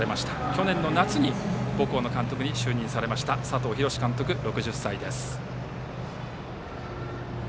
去年の夏に高校の監督に就任されました佐藤洋監督、６０歳です。